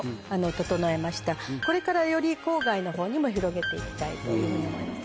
これからより郊外の方にも広げていきたいというふうに思います。